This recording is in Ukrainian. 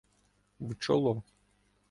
— В чоло.